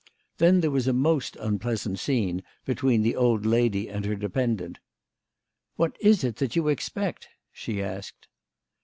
Then there was a most unpleasant scene between the old lady and her dependent. " What is it that you expect ?" she asked.